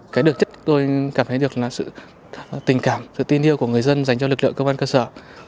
cái được chất tôi cảm thấy được là sự tình cảm sự tin yêu của người dân dành cho lực lượng công an cơ sở